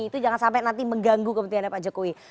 itu jangan sampai nanti mengganggu kepentingannya pak jokowi